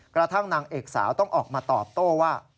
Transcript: กระทั่งนางเอกสาวต้องออกมาตอบโต้ว่า